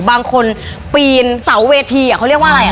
บางคนปีนเสาเวทีเขาเรียกว่าอะไรอ่ะ